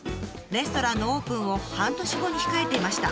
レストランのオープンを半年後に控えていました。